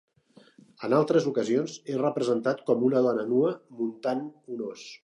En altres ocasions és representat com una dona nua muntant un os.